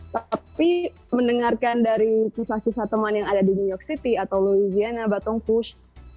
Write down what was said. tapi mendengarkan dari kisah kisah teman yang ada di new york city atau louisiana batong fus